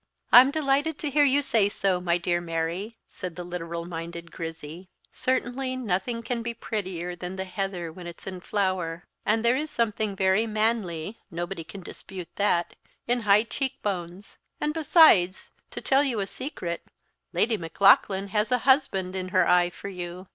"I'm delighted to hear you say so, my dear Mary," said the literal minded Grizzy. "Certainly nothing can be prettier than the heather when it's in flower; and there is something very manly nobody can dispute that in high cheek bones; and besides, to tell you a secret, Lady Maclaughlan has a husband in her eye for you.